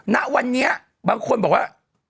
ณวันนี้บางคนบอกว่า